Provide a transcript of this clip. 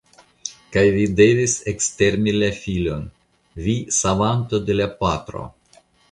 Kaj vi devis ekstermi la filon, vi savanto de la patro!